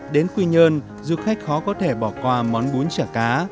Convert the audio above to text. đến quy nhơn du khách khó có thể bỏ qua món bún chả cá